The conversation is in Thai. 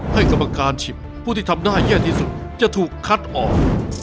ให้ผู้ที่ทำได้แย่ที่สุดจะถูกคัดออก